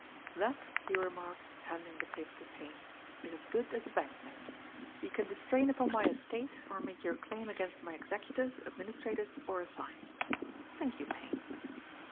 "That," he remarked, handing the paper to Payne, "is as good as a banknote. You can distrain upon my estate, or make your claim against my executors, administrators or assigns. Thank you, Payne."